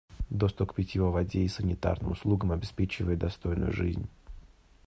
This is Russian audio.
Доступ к питьевой воде и санитарным услугам обеспечивает достойную жизнь.